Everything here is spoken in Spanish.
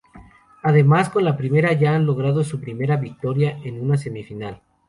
Además con la primera ya han logrado su primera victoria en una semifinal.